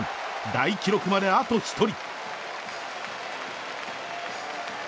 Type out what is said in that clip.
大記録まであと１人。